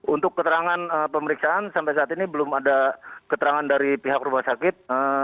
untuk keterangan pemeriksaan sampai saat ini belum ada keterangan dari pihak rumah sakit